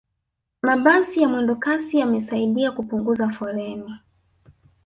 mabasi ya mwendokasi yamesaidia kupunguza foleni